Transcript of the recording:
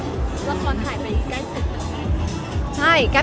ไม่ไม่นะ